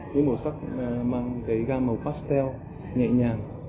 những màu sắc mang cái gam màu pastel nhẹ nhàng